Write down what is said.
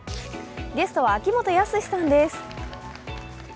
ゲストは秋元康さんです。